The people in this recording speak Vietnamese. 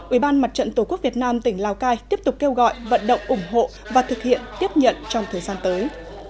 ủy ban mặt trận tổ quốc việt nam tỉnh lào cai tiếp tục kêu gọi vận động ủng hộ và thực hiện tiếp nhận trong thời gian tới